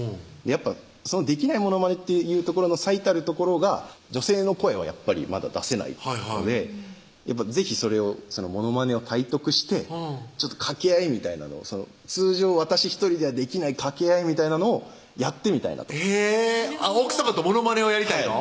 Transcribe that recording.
やっぱそのできないモノマネっていうところの最たるところが女性の声はやっぱりまだ出せないので是非それをモノマネを体得して掛け合いみたいなのを通常私１人ではできない掛け合いみたいなのをやってみたいなと奥さまとモノマネをやりたいの？